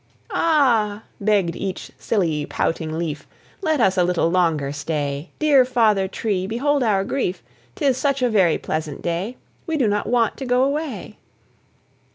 "Ah!" begged each silly, pouting leaf, "Let us a little longer stay; Dear Father Tree, behold our grief! 'Tis such a very pleasant day, We do not want to go away."